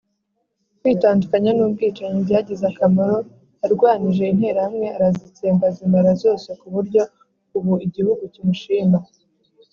kwitandukanya n ubwicanyi byagize akamaro Yarwanije Interahamwe arazitsemba arazimara zose kuburyo ubu igihugu cy ‘imushima